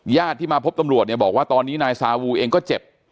ญาติที่มาพบตำรวจเนี่ยบอกว่าตอนนี้นายซาวูเองก็เจ็บ